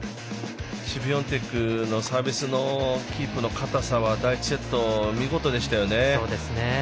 シフィオンテクのサービスのキープの硬さは第１セット見事でしたよね。